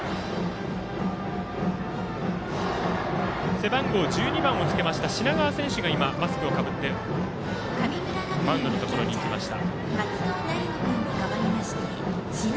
背番号１２番をつけました品川選手がマスクをかぶってマウンドのところに行きました。